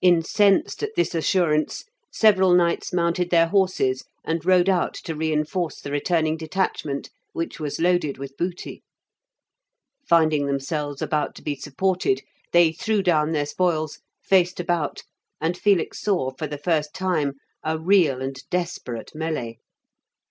Incensed at this assurance, several knights mounted their horses and rode out to reinforce the returning detachment, which was loaded with booty. Finding themselves about to be supported, they threw down their spoils, faced about, and Felix saw for the first time a real and desperate melée.